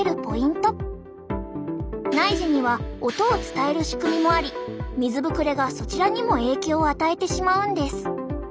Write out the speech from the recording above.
内耳には音を伝える仕組みもあり水ぶくれがそちらにも影響を与えてしまうんです。